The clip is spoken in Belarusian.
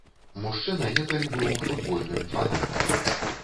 Мужчына некалі быў футбольным фанатам.